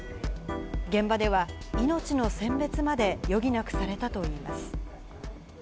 現場では、命の選別まで余儀なくされたといいます。